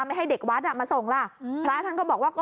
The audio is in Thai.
ให้เด็กวัดมาส่งล่ะพระท่านก็บอกว่าก็